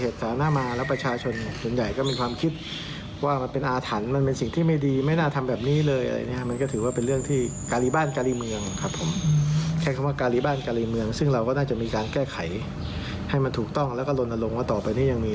ถ้าจะมีการแก้ไขให้มันถูกต้องแล้วก็ลนลงว่าต่อไปนี่ยังมี